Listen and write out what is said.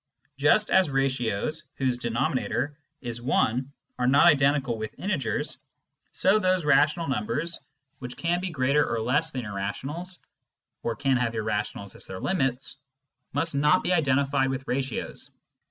Just as ratios whose de nominator is 1 are not identical with integers, so those rational 72 Introduction to Mathematical Philosophy numbers which can be greater or less than irrationals, or can have irrationals as their limits, must not be identified with ratios.